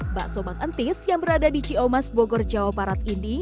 mbak sobang entis yang berada di ciumas bogor jawa parat ini